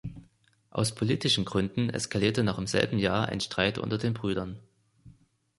Aus politischen Gründen eskalierte noch im selben Jahr ein Streit unter den Brüdern.